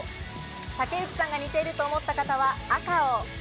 武内さんが似ていると思った方は赤を。